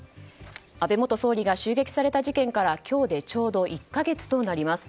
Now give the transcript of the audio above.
安倍元総理が襲撃された日から今日でちょうど１か月となります。